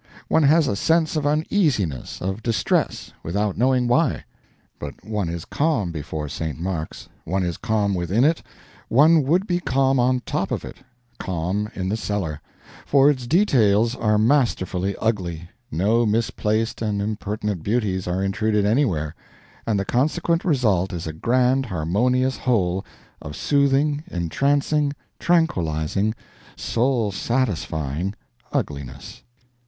One has a sense of uneasiness, of distress, without knowing why. But one is calm before St. Mark's, one is calm within it, one would be calm on top of it, calm in the cellar; for its details are masterfully ugly, no misplaced and impertinent beauties are intruded anywhere; and the consequent result is a grand harmonious whole, of soothing, entrancing, tranquilizing, soul satisfying ugliness.